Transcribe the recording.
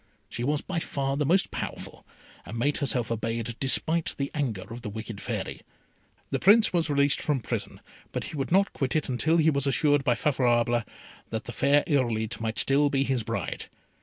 She was by far the most powerful, and made herself obeyed despite the anger of the wicked Fairy. The Prince was released from prison; but he would not quit it until he was assured by Favourable that the fair Irolite might still be his bride.